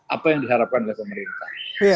apa yang diharapkan oleh pemerintah